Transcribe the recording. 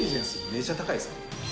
めちゃ高いですね